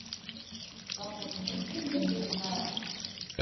wako kwenye mgahawa uliopitiwa upya na nyota